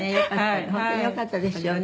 「本当によかったですよね。